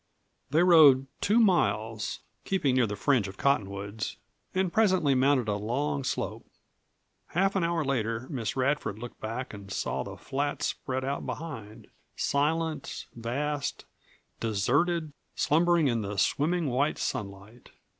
They rode two miles, keeping near the fringe of cottonwoods, and presently mounted a long slope. Half an hour later Miss Radford looked back and saw the flat spread out behind, silent, vast, deserted, slumbering in the swimming white sunlight.